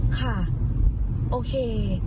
อ๋อค่ะโอเค